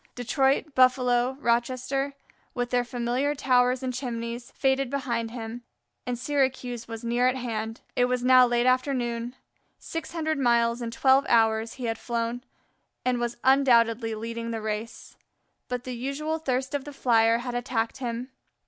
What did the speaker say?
Detroit, Buffalo, Rochester, with their familiar towers and chimneys, faded behind him, and Syracuse was near at hand. It was now late afternoon; six hundred miles in twelve hours he had flown and was undoubtedly leading the race; but the usual thirst of the Flyer had attacked him.